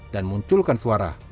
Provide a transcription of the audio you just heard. dan munculkan suara